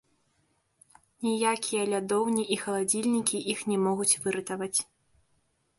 Ніякія лядоўні і халадзільнікі іх не могуць выратаваць.